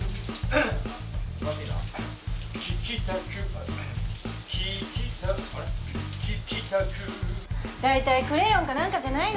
はい。